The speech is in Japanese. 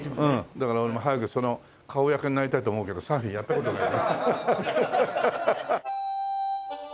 だから俺も早くその顔役になりたいと思うけどサーフィンやった事ない。